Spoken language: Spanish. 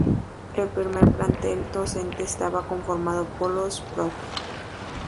El primer plantel docente estaba conformado por los Prof.